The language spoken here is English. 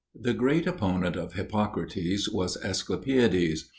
The great opponent of Hippocrates was Asclepiades.